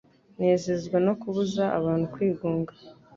Nezezwa no kubuza abantu kwigunga